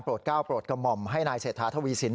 ก้าวโปรดกระหม่อมให้นายเศรษฐาทวีสิน